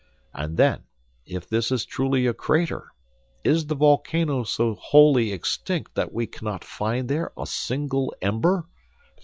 And then, if this is truly a crater, is the volcano so wholly extinct that we cannot find there a single ember?